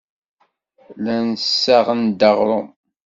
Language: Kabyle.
Llan ssaɣen-d aɣrum.